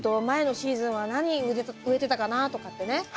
前のシーズンは何植えてたかなとかってね。